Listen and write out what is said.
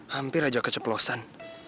hampir aja keceplosan